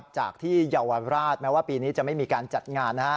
จากที่เยาวราชแม้ว่าปีนี้จะไม่มีการจัดงาน